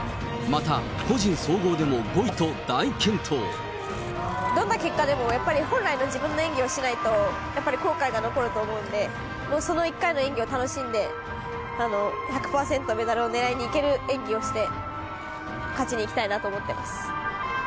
また、どんな結果でも、やっぱり、本来の自分の演技をしないと、やっぱり後悔が残ると思うんで、もうその一回の演技を楽しんで、１００％、メダルを狙いにいける演技をして、勝ちにいきたいなと思ってます。